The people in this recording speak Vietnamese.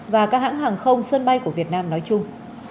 và các hãng hàng không sân bay của việt nam nói chung